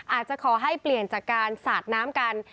อาจจะขอให้เปลี่ยนจากการสาดน้ำกัน